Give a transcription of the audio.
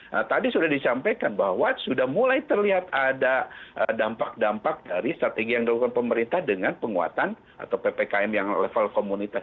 nah tadi sudah disampaikan bahwa sudah mulai terlihat ada dampak dampak dari strategi yang dilakukan pemerintah dengan penguatan atau ppkm yang level komunitas